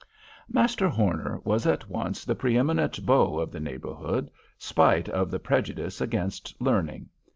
Master Horner was at once the preëminent beau of the neighborhood, spite of the prejudice against learning.